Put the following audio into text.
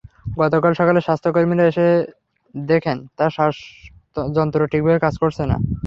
গতকাল সকালে স্বাস্থ্যকর্মীরা এসে দেখেন তাঁর শ্বাসযন্ত্র ঠিকভাবে কাজ করছে না।